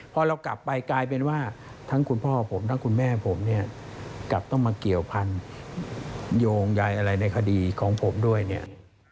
พอเรากลับไปกลายเป็นว่าทั้งคุณพ่อผมทั้งคุณแม่ผมเนี่ยกลับต้องมาเกี่ยวพันธุ์โยงใยอะไรในคดีของผมด้วยเนี่ย